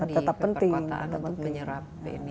di perkotaan untuk menyerap